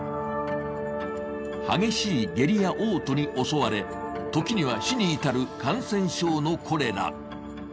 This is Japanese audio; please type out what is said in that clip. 激しい下痢やおう吐に襲われ時には死に至る感染症のコレラ。